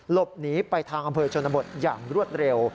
หลบหนีไปทางอำเภอชนบทอย่างรวดเร็ว